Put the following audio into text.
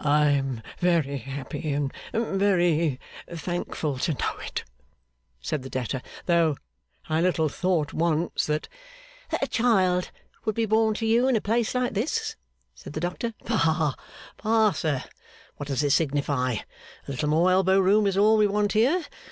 'I am very happy and very thankful to know it,' said the debtor, 'though I little thought once, that ' 'That a child would be born to you in a place like this?' said the doctor. 'Bah, bah, sir, what does it signify? A little more elbow room is all we want here.